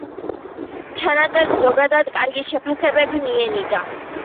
ჩანაწერს ზოგადად კარგი შეფასებები მიენიჭა.